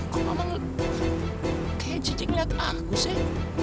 kok mama kayak cincin lihat aku sih